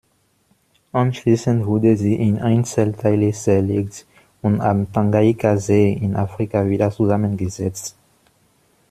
Anschließend wurde sie in Einzelteile zerlegt und am Tanganjikasee in Afrika wieder zusammengesetzt.